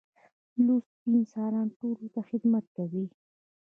لوستی انسان ټولنې ته خدمت کوي.